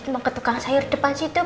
mau ke tukang sayur depan situ